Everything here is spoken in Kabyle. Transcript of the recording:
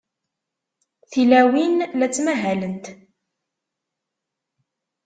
Tilawin la ttmahalent.